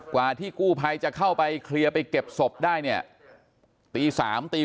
กว่าที่กู้ภัยจะเข้าไปเคลียร์ไปเก็บศพได้เนี่ยตี๓ตี๔